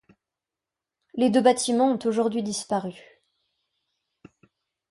Les deux bâtiments ont aujourd'hui disparu.